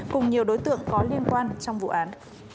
cùng nhiều đối tượng có liên quan trong vụ án